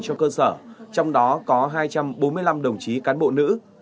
trong cơ sở trong đó có hai trăm bốn mươi năm đồng chí cán bộ nữ